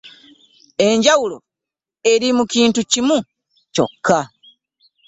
Enjawulo eri mu kintu kimu kyokka.